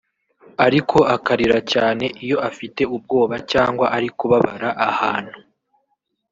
ariko akarira cyane iyo afite ubwoba cyangwa ari kubabara ahantu